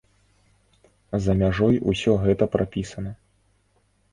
За мяжой усё гэта прапісана.